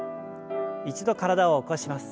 一度体を起こします。